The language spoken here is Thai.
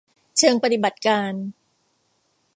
เชิงปฏิบัติการ